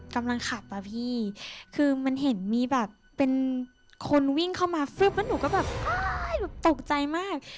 กำลังขับอ่ะพี่คือมันเห็นมีแบบเป็นคนวิ่งเข้ามาฟึ๊บแล้วหนูก็แบบตกใจมาก